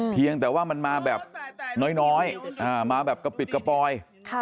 เพียงแต่ว่ามันมาแบบน้อยมาแบบกระปิดกระปอย